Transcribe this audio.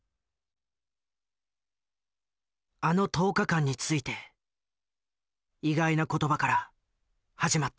あの１０日間について意外な言葉から始まった。